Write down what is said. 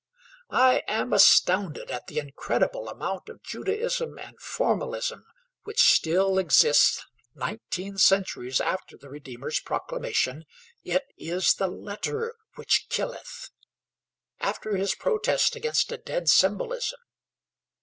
I am astounded at the incredible amount of Judaism and formalism which still exists nineteen centuries after the Redeemer's proclamation, "It is the letter which killeth" after his protest against a dead symbolism.